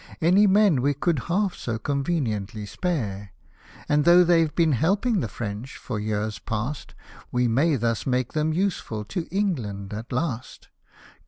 ^Any men we could half so conveniently spare ; And, though they've been helping the French for years past, We may thus make them useful to England at last.